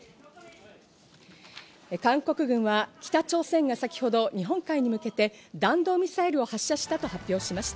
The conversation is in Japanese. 韓国軍は北朝鮮が先ほど日本海に向けて弾道ミサイルを発射したと発表しました。